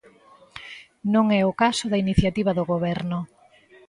Non é o caso da iniciativa do Goberno.